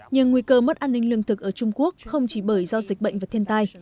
nhưng nguy cơ mất an ninh lương thực ở trung quốc không chỉ bởi do dịch bệnh và thiên tai